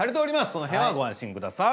その辺はご安心ください。